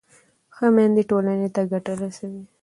ښه میندې ټولنې ته ګټه رسوي.